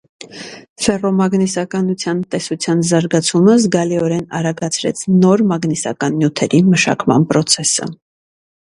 Ֆեռոմագնիսականության տեսության զարգացումը զգալիորեն արագացրեց նոր մագնիսական նյութերի մշակման պրոցեսը։